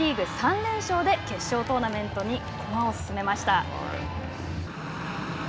１次リーグ３連勝で決勝トーナメントに駒を進めました。